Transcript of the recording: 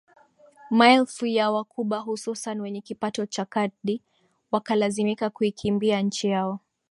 Maelfu ya waCuba hususan wenye kipato cha kadri wakalazimika kuikimbia nchi yao